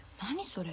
それ。